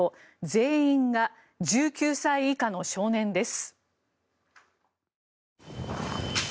全員が１９歳以下の少年です。